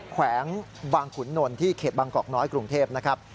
แขวงบางขุนนลที่เขตบางกอกน้อยกรุงเทพนะครับ